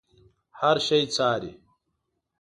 هر شی څاري.